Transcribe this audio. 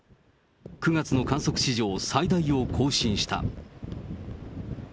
９月の観測史上、最大を更新した。